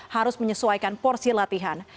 harus menyesuaikan porsi latihan